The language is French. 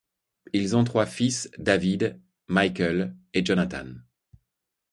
Ils ont trois fils, David, Michael et Jonathan.